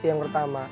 itu yang pertama